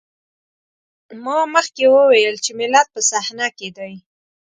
ما مخکې وويل چې ملت په صحنه کې دی.